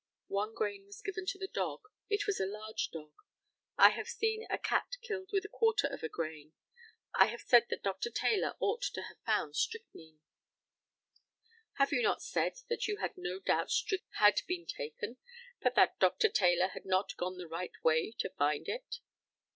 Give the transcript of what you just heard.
One grain was given to the dog. It was a large dog. I have seen a cat killed with a quarter of a grain. I have said that Dr. Taylor ought to have found strychnia. Have you not said that you had no doubt strychnia had been taken, but that Dr. Taylor had not gone the right way to find it?